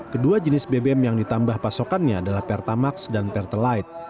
kedua jenis bbm yang ditambah pasokannya adalah pertamax dan pertalite